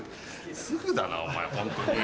すぐだなお前ホントに。